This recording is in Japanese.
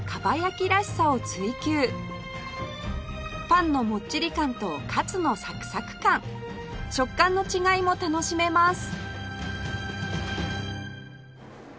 パンのもっちり感とカツのサクサク感食感の違いも楽しめます